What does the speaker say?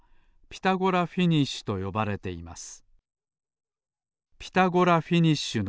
「ピタゴラフィニッシュと呼ばれています」